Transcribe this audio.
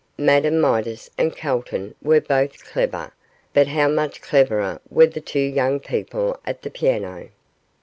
Madame Midas and Calton were both clever, but how much cleverer were the two young people at the piano.